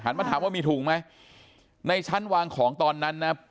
มาถามว่ามีถุงไหมในชั้นวางของตอนนั้นนะ